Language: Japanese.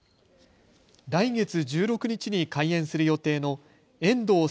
来月１６日に開園する予定の遠藤笹